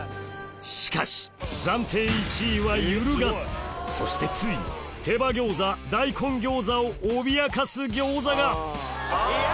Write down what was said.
しかし暫定１位は揺るがずそしてついに手羽餃子大根餃子を脅かす餃子が！いや！